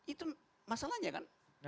itu masalahnya kan